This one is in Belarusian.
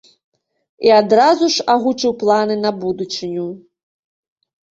І адразу ж агучыў планы на будучыню.